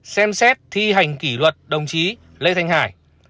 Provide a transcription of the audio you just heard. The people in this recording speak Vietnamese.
xem xét thi hành kỷ luật đồng chí lê thanh hải